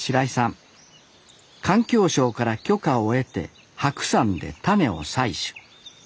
環境省から許可を得て白山で種を採取。